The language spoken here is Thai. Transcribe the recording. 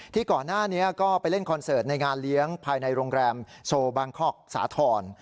ก่อนหน้านี้ก็ไปเล่นคอนเสิร์ตในงานเลี้ยงภายในโรงแรมโซบางคอกสาธรณ์